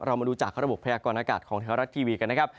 มาดูจากระบบพยากรณากาศของไทยรัฐทีวีกันนะครับ